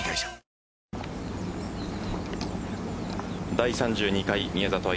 第３２回宮里藍